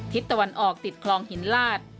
ตะวันออกติดคลองหินลาด